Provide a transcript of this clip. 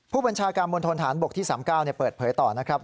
ผู้บัญชาการมณฑนฐานบกที่๓๙เปิดเผยต่อนะครับ